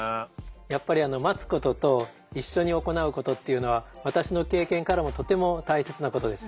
やっぱり待つことと一緒に行うことっていうのは私の経験からもとても大切なことです。